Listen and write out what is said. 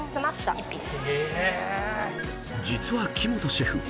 ［実は木本シェフ